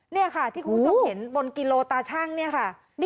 นี่ค่ะที่คุณผู้ชมเห็นบนกิโลตาชั่งเนี่ยค่ะ